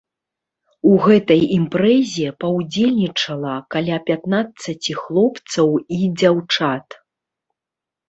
У гэтай імпрэзе паўдзельнічала каля пятнаццаці хлопцаў і дзяўчат.